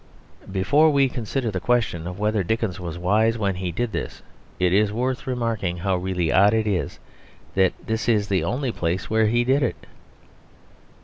Before we consider the question of whether Dickens was wise when he did this, it is worth remarking how really odd it is that this is the only place where he did it.